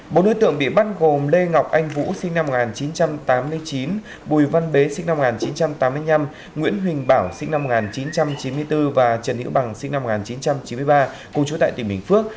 bộ đối tượng bị bắt gồm lê ngọc anh vũ sinh năm một nghìn chín trăm tám mươi chín bùi văn bế sinh năm một nghìn chín trăm tám mươi năm nguyễn huỳnh bảo sinh năm một nghìn chín trăm chín mươi bốn và trần hữu bằng sinh năm một nghìn chín trăm chín mươi ba cùng chú tại tỉnh bình phước